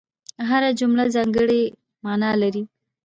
هره جمله ځانګړې مانا لري.